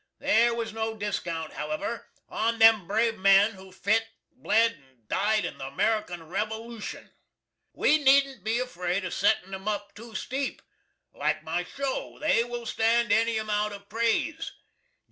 Thare was no diskount, however, on them brave men who fit, bled and died in the American Revolushun. We needn't be afraid of setting 'em up two steep. Like my show, they will stand any amount of prase.